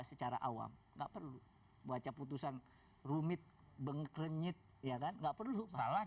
secara awam nggak perlu baca putusan rumit bengkrenyit ya kan nggak perlu salah